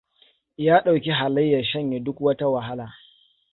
Ya ɗauki halayyar shanye duk wata wahala.